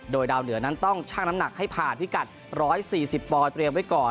โดยดาวเหนือนั้นต้องชั่งน้ำหนักให้ผ่านพิกัด๑๔๐ปอเตรียมไว้ก่อน